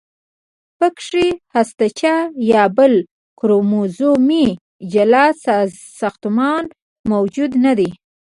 پکې هستچه یا بل کروموزومي جلا ساختمان موجود نه دی.